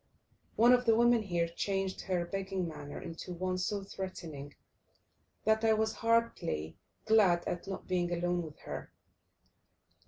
One of the women here changed her begging manner into one so threatening, that I was heartily glad at not being alone with her.